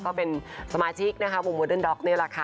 ก็เป็นสมาชิกนะคะวงโมเดิร์ด็อกนี่แหละค่ะ